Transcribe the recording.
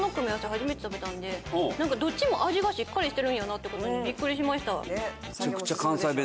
初めて食べたんでなんかどっちも味がしっかりしてるんやなって事にビックリしました。